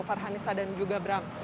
farhanisa dan juga bram